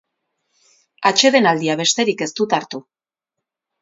Atsedenaldia besterik ez dut hartu.